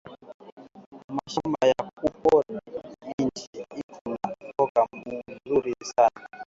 Ku mashamba ya ku pori, minji iko na toka muzuri sana